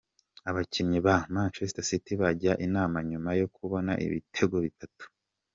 Abakinnyi ba Manchester City bajya inama nyuma yo kubona ibitego bitatu.